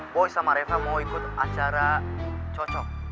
boy sama reva mau ikut acara cocok